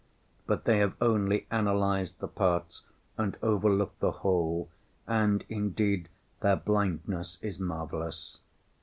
But they have only analyzed the parts and overlooked the whole, and indeed their blindness is marvelous.